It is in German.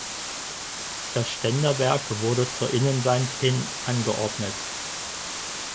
Das Ständerwerk wurde zur Innenwand hin angeordnet.